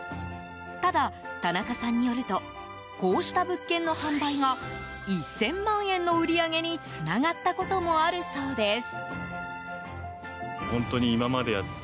ただ田中さんによるとこうした物件の販売が１０００万円の売り上げにつながったこともあるそうです。